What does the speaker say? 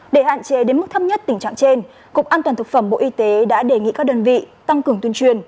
để hạn chế đến mức thấp nhất tình trạng trên cục an toàn thực phẩm bộ y tế đã đề nghị các đơn vị tăng cường tuyên truyền